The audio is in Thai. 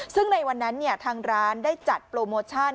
ซึ่งในวันนั้นทางร้านได้จัดโปรโมชั่น